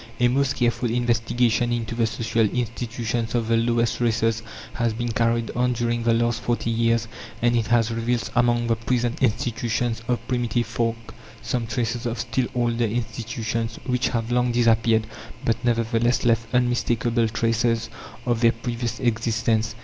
A most careful investigation into the social institutions of the lowest races has been carried on during the last forty years, and it has revealed among the present institutions of primitive folk some traces of still older institutions which have long disappeared, but nevertheless left unmistakable traces of their previous existence.